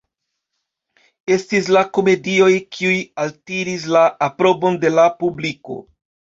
Estis la komedioj kiuj altiris la aprobon de la publiko.